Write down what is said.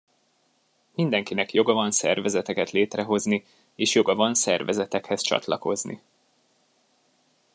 Mindenkinek joga van szervezeteket létrehozni, és joga van szervezetekhez csatlakozni.